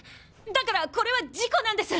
だからこれは事故なんです！